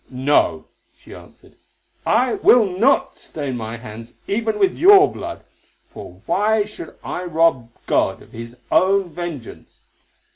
"No," she answered, "I will not stain my hands even with your blood, for why should I rob God of His own vengeance?